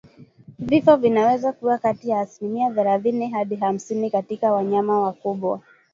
Vifo vinaweza kuwa kati ya asilimia thelathini hadi hamsini katika wanyama wakubwa